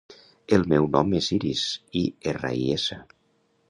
El meu nom és Iris: i, erra, i, essa.